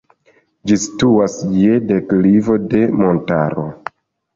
Ĝi situas je deklivo de montaro.